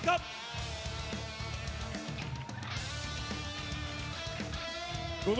ข้อมูล